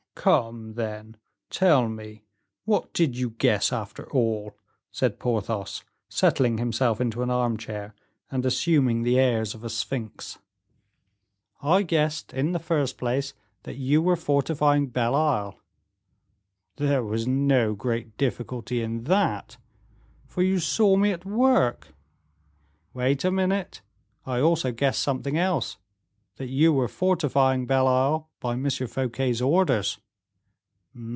"Come, then, tell me what did you guess after all?" said Porthos, settling himself into an armchair, and assuming the airs of a sphinx. "I guessed, in the first place, that you were fortifying Belle Isle." "There was no great difficulty in that, for you saw me at work." "Wait a minute; I also guessed something else, that you were fortifying Belle Isle by M. Fouquet's orders."